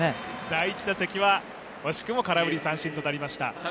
第１打席は惜しくも空振り三振となりました。